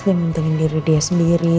dia minta diri dia sendiri